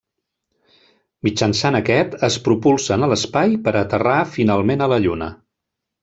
Mitjançant aquest es propulsen a l'espai per a aterrar finalment a la Lluna.